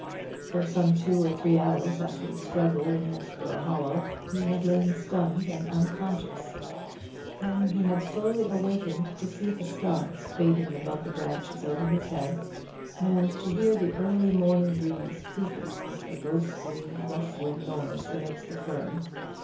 For some two or three hours after the struggle in Nessborough Hollow he had lain stunned and unconscious; then he had slowly awakened to see the stars fading above the branches over his head, and to hear the early morning breeze creeping with a ghostly rustling noise amidst the fern.